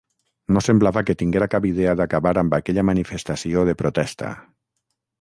No semblava que tinguera cap idea d’acabar amb aquella manifestació de protesta.